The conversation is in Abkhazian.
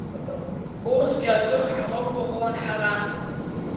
Урҭгьы акыр ҳрықәгәыӷуан ҳара.